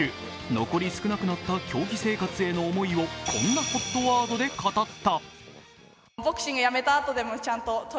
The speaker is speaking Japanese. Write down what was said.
残り少なくなった競技生活への思いをこんなＨＯＴワードで語った。